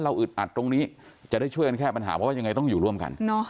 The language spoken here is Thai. อึดอัดตรงนี้จะได้ช่วยกันแก้ปัญหาเพราะว่ายังไงต้องอยู่ร่วมกัน